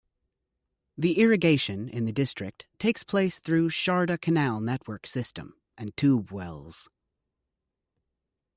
The irrigation in the district takes place through Sharda Canal network system and tubewells.